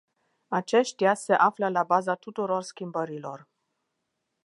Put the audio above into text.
Aceștia se află la baza tuturor schimbărilor.